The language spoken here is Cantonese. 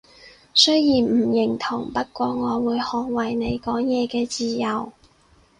雖然唔認同，不過我會捍衛你講嘢嘅自由